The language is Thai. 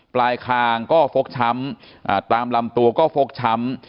ปลายคางก็ฟกช้ำตามลำตัวก็ฟกช้ำ